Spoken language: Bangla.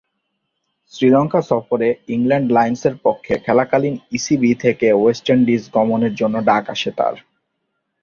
শ্রীলঙ্কা সফরে ইংল্যান্ড লায়ন্সের পক্ষে খেলাকালীন ইসিবি থেকে ওয়েস্ট ইন্ডিজ গমনের জন্যে ডাক আসে তার।